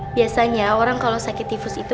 biasanya orang kalau sakit tifus itu